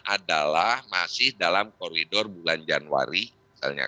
adalah masih dalam koridor bulan januari misalnya